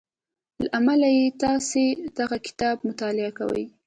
له امله یې تاسې دغه کتاب مطالعه کوئ